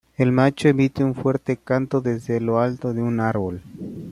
El macho emite un fuerte canto desde lo alto de un árbol.